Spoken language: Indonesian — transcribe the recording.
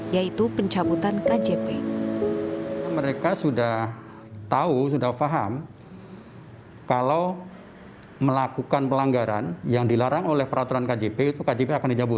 yaitu pencabutan kjp